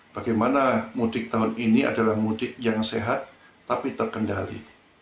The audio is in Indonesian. bagaimana mudik tahun ini adalah mudik yang sehat tapi terkendali